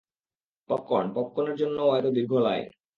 Popcorn, পপকর্নের জন্যও এত দীর্ঘ লাইন।